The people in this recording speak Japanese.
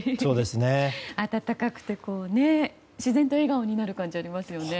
温かくて、自然と笑顔になる感じがありますよね。